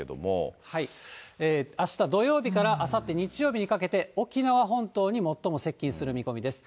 あした土曜日からあさって日曜日にかけて、沖縄本島に最も接近する見込みです。